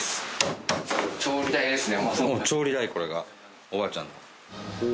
調理台これがおばあちゃんの。